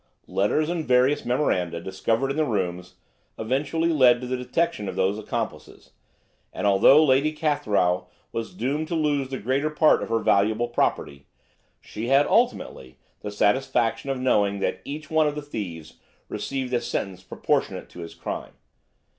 Letters and various memoranda discovered in the rooms, eventually led to the detection of those accomplices, and although Lady Cathrow was doomed to lose the greater part of her valuable property, she had ultimately the satisfaction of knowing that each one of the thieves received a sentence proportionate to his crime.